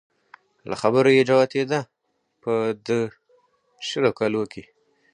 له خبرو يې جوتېده په د شلو کلو کې